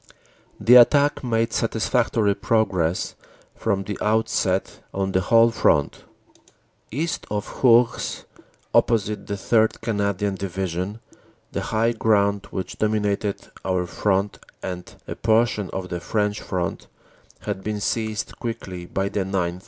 The attack made satisfactory progress from the outset on the whole front. "East of Hourges, opposite the 3rd. Canadian Division, the high ground which dominated our front and a portion of the French front had been seized quickly by the 9th.